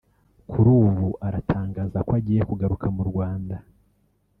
kuri ubu aratangaza ko agiye kugaruka mu Rwanda